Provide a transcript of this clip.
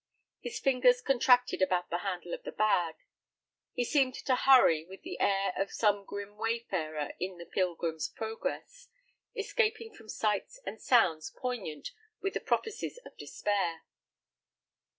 His fingers contracted about the handle of his bag. He seemed to hurry with the air of some grim wayfarer in the Pilgrim's Progress, escaping from sights and sounds poignant with the prophecies of despair.